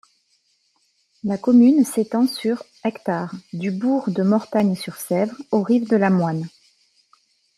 La commune s’étend sur hectares, du bourg de Mortagne-Sur-Sèvre aux rives de la Moine.